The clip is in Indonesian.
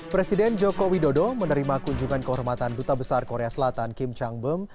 presiden jokowi dodo menerima kunjungan kehormatan duta besar korea selatan kim chang beom